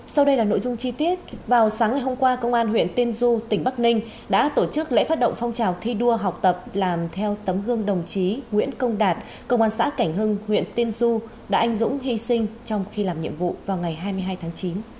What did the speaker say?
sau đây là nội dung chi tiết vào sáng ngày hôm qua công an huyện tiên du tỉnh bắc ninh đã tổ chức lễ phát động phong trào thi đua học tập làm theo tấm gương đồng chí nguyễn công đạt công an xã cảnh hưng huyện tiên du đã anh dũng hy sinh trong khi làm nhiệm vụ vào ngày hai mươi hai tháng chín